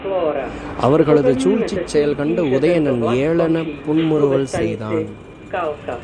அவர்களது சூழ்ச்சிச் செயல் கண்டு உதயணன் ஏளனப் புன்முறுவல் செய்தான்.